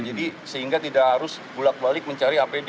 jadi sehingga tidak harus bulat balik mencari apd